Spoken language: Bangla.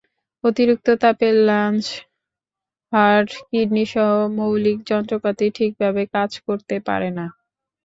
অতিরিক্ত তাপে লাংগস, হার্ট, কিডনিসহ মৌলিক যন্ত্রপাতি ঠিকভাবে কাজ করতে পারে না।